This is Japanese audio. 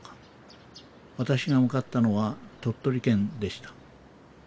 私が向かったのは鳥取県でした。